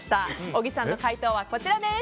小木さんの回答は、こちらです。